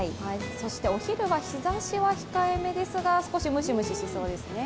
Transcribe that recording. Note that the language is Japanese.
そしてお昼は日ざしは控えめですが少しムシムシしそうですね。